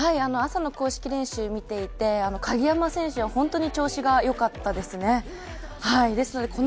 朝の公式練習を見ていて、鍵山選手は本当に調子がよかったですね。